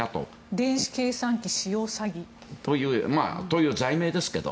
電子計算機使用詐欺。という罪名ですけど。